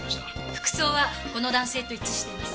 服装はこの男性と一致しています。